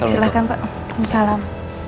baik silakan pak salam